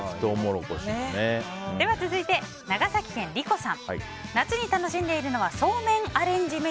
続いて、長崎県の方。